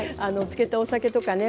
漬けたお酒とかね